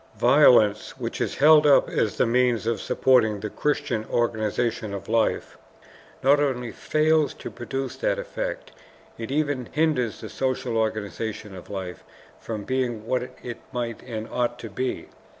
Violence, which is held up as the means of supporting the Christian organization of life, not only fails to produce that effect, it even hinders the social organization of life from being what it might and ought to be.